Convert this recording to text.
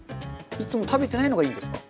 いつも食べてないのがいいんですか？